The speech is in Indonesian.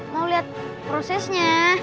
mau liat prosesnya